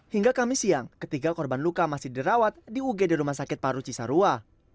hingga kamis siang ketiga korban luka masih dirawat di ugd rumah sakit paru cisarua